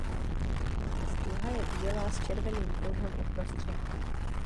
Stuha je bílá s červeným pruhem uprostřed.